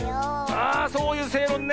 あそういうせいろんね。